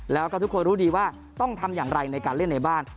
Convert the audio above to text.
แล้วก็ทุกคนรู้ดีว่าต้องทำอย่างไรในการเล่นในบ้าน